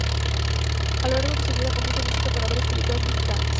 A lo largo de su vida, compuso música para varias películas mexicanas.